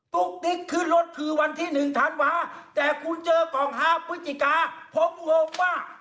ตุ๊กติ๊กขึ้นรถคือวันที่หนึ่งธันวาแต่คุณเจอกล่องห้าพุจจิต้าพบหกมาก